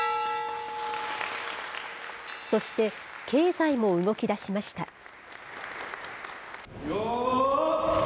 そして、経済も動きだしました。